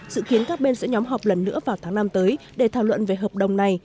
dự kiến các bên sẽ nhóm họp lần nữa vào tháng năm tới để thảo luận về hợp đồng này